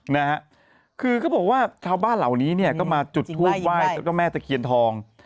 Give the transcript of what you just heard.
นะฮะคือเขาบอกว่าชาวบ้านเหล่านี้เนี่ยก็มาจุดทูปไหว้แล้วก็แม่ตะเคียนทอง